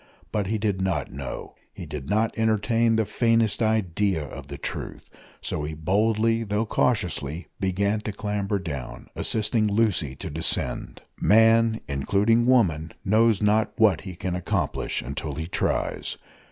But he did not know he did not entertain the faintest idea of the truth so he boldly, though cautiously, began to clamber down, assisting Lucy to descend. Man, (including woman), knows not what he can accomplish until he tries.